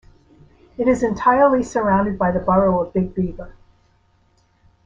It is entirely surrounded by the borough of Big Beaver.